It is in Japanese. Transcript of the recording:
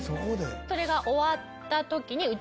それが終わった時に。